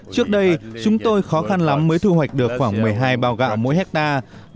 trước đây chúng tôi khó khăn lắm mới thu hoạch được khoảng một mươi hai bao gạo mỗi hectare